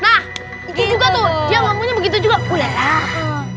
nah itu juga tuh dia ngomongnya begitu juga ulanan